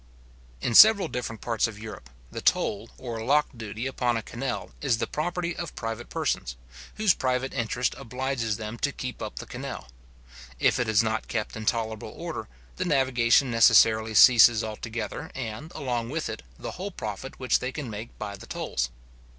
In several different parts of Europe, the toll or lock duty upon a canal is the property of private persons, whose private interest obliges them to keep up the canal. If it is not kept in tolerable order, the navigation necessarily ceases altogether, and, along with it, the whole profit which they can make by the tolls.